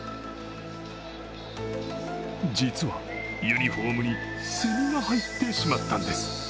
実は、ユニフォームにせみが入ってしまったんです。